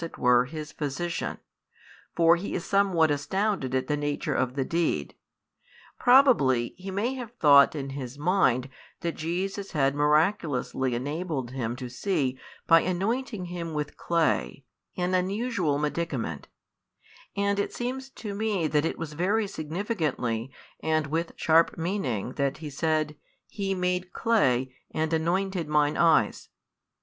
it were his Physician: for he is somewhat astounded at the nature of the deed. Probably he may have thought in his mind that Jesus had miraculously enabled him to see by anointing him with clay, an unusual medicament; and it seems to me that it was very significantly and with sharp meaning that he said He made clay, and anointed mine eyes.